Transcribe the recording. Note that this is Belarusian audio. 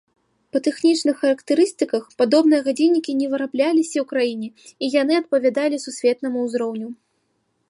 Па тэхнічных характарыстыках падобныя гадзіннікі не вырабляліся ў краіне і яны адпавядалі сусветнаму ўзроўню.